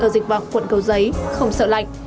ở dịch vọng quận cầu giấy không sợ lạnh